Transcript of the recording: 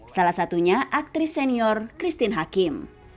salah satunya aktris senior christine hakim